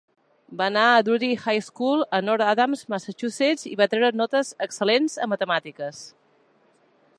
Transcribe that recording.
Va anar a Drury High School a North Adams, Massachusetts i va treure notes excel·lents a matemàtiques.